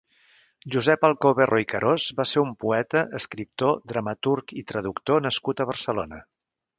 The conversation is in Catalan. Josep Alcoverro i Carós va ser un poeta, escriptor, dramaturg i traductor nascut a Barcelona.